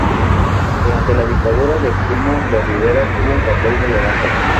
Durante la dictadura de Primo de Rivera tuvo un papel relevante.